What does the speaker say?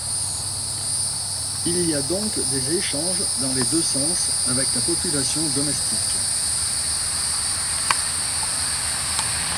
Il y a donc des échanges dans les deux sens avec la population domestique.